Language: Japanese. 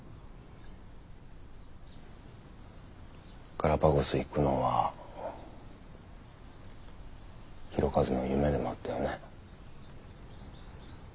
ガラパゴス行くのは弘和の夢でもあったよね。